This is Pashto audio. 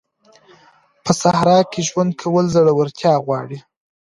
په صحرا کي ژوند کول زړورتيا غواړي.